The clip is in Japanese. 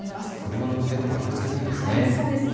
車の運転とか気をつけたいですね。